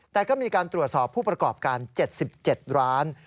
แต่ก็มีการตรวจสอบผู้ประกอบการ๗๗ร้าน